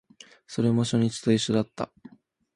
それも初日と一緒だった